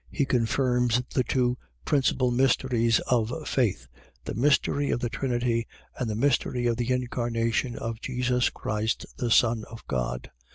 He confirms the two principal mysteries of faith: The mystery of the Trinity and the mystery of the incarnation of Jesus Christ the Son of God.